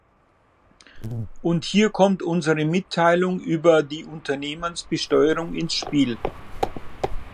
Und hier kommt unsere Mitteilung über die Unternehmensbesteuerung ins Spiel.